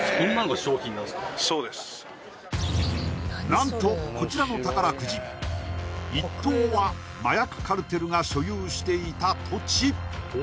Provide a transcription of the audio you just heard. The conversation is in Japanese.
何とこちらの宝くじ１等は麻薬カルテルが所有していた土地